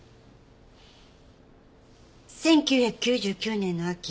１９９９年の秋